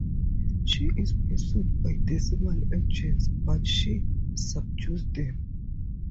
She is pursued by Decima agents but she subdues them.